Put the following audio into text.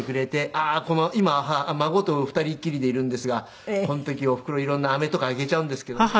ああーこの今孫と２人っきりでいるんですが。この時おふくろ色んなアメとかあげちゃうんですけどね。